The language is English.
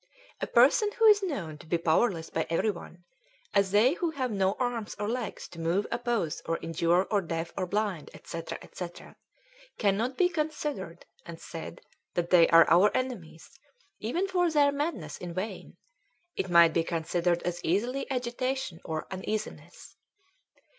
"A person who is known to be powerless by every one, as they who have no arms or legs to move oppose or injure or deaf or blind &c. &c. cannot be considered and said that they are our enemies even for their madness in vain it might be considered as easily agitation or uneasiness.